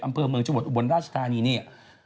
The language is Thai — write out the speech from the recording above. อำเภอเมืองจังหวัดอุบลราชธานีนี่